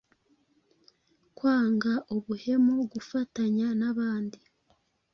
kwanga ubuhemu, gufatanya n’abandi